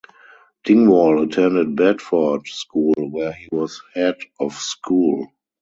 Dingwall attended Bedford School where he was Head of School.